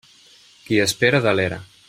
Qui espera delera.